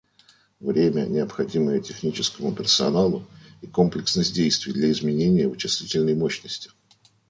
Время, необходимое техническому персоналу и комплексность действий для изменения вычислительной мощности